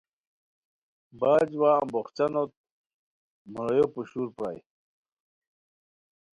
پاچ وا امبوخچانوت مرویو پوشور پرائے